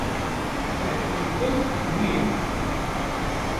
Wek ku gul, rû ye